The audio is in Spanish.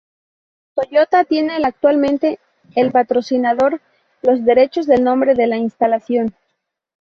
Toyota tiene actualmente el patrocinador los derechos del nombre de la instalación.